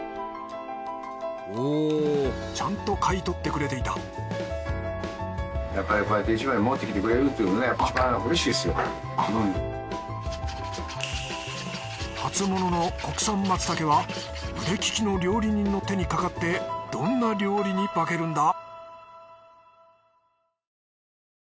おおっちゃんと買い取ってくれていた初物の国産マツタケは腕利きの料理人の手にかかってどんな料理に化けるんだ？